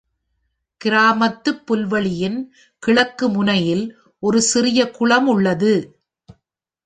கிராமத்துப் புல்வெளியின் கிழக்கு முனையில் ஒரு சிறிய குளம் உள்ளது.